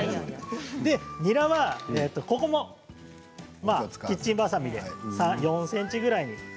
にらはここもキッチンばさみで４ｃｍくらいに。